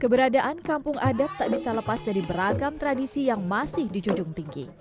keberadaan kampung adat tak bisa lepas dari beragam tradisi yang masih dijunjung tinggi